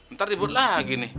ntar dibut lagi nih